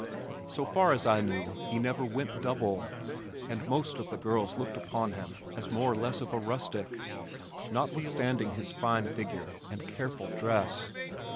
So far as I knew he never "went double," and most of the girls looked upon him as more or less of a rustic, notwithstanding his fine figure and careful dress.